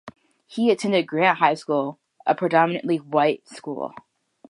He attended Grant High School, a predominantly white school.